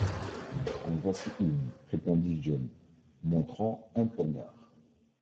En voici une, répondit John, montrant un poignard.